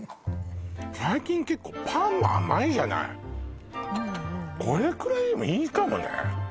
最近結構パンが甘いじゃないこれくらいでもいいかもね